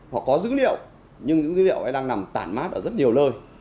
họ có dữ liệu nhưng những dữ liệu ấy đang nằm tản mát ở rất nhiều lời